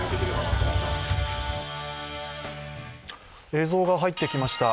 映像が入ってきました。